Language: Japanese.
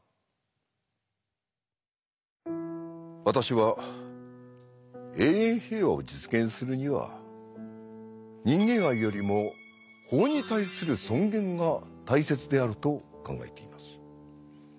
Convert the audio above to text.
私は「永遠平和」を実現するには人間愛よりも法に対する尊厳が大切であると考えています。